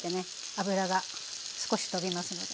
油が少し飛びますので。